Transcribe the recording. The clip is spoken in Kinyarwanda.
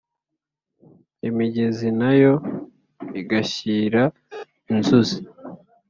imigezi nayo igashyira inzuzi,